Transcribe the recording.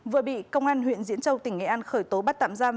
vừa bị công an huyện diễn châu tỉnh nghệ an khởi tố bắt tạm giam